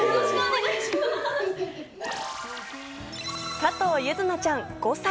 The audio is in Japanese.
加藤柚凪ちゃん５歳。